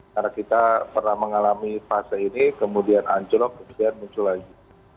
karena kita pernah mengalami fase ini kemudian ancur kemudian muncul lagi